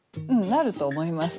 なると思いますね。